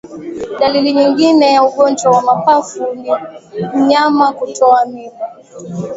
Dalili nyingine ya ugonjwa wa mapafu ni mnyama kutupa mimba